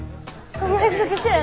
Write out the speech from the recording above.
そんな約束してへんよ。